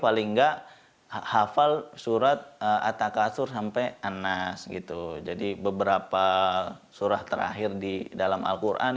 paling nggak hafal surat attaqasur sampai anas gitu jadi beberapa surat terakhir di dalam alquran